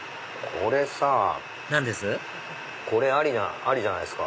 これありじゃないですか？